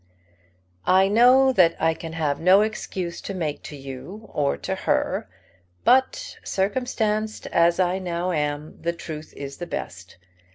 "I know that I can have no excuse to make to you or to her. But, circumstanced as I now am, the truth is the best.